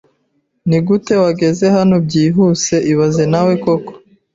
Nigute wageze hano byihuse ibaze nawe koko